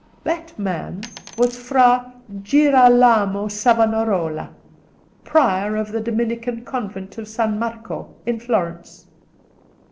That man was Fra Girolamo Savonarola, Prior of the Dominican convent of San Marco in Florence.